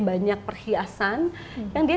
banyak perhiasan yang dia